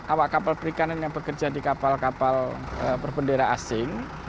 awak kapal perikanan yang bekerja di kapal kapal berbendera asing